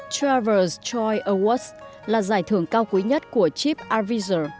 traverse choice awards là giải thưởng cao quý nhất của tripadvisor